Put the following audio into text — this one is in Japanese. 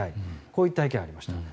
こういった意見がありました。